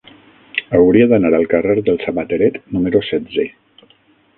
Hauria d'anar al carrer del Sabateret número setze.